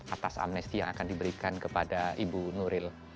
atas amnesti yang akan diberikan kepada ibu nuril